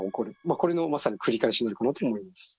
これのまさに繰り返しになるかなと思います。